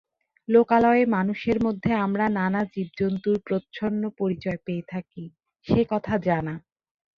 লোকালয়ে মানুষের মধ্যে আমরা নানা জীবজন্তুর প্রচ্ছন্ন পরিচয় পেয়ে থাকি, সে কথা জানা।